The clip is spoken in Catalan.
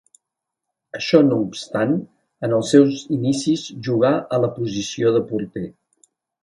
Això no obstant, en els seus inicis jugà a la posició de porter.